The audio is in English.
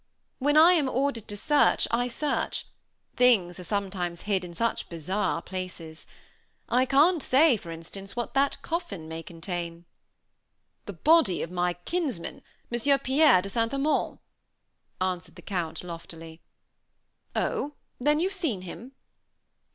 When I am ordered to search, I search; things are sometimes hid in such bizarre places. I can't say, for instance, what that coffin may contain." "The body of my kinsman, Monsieur Pierre de St. Amand," answered the Count, loftily. "Oh! then you've seen him?"